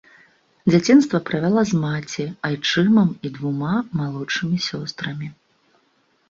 Дзяцінства правяла з маці, айчымам і двума малодшымі сёстрамі.